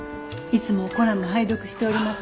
いつもコラム拝読しております。